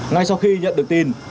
ngay sau khi nhận được tin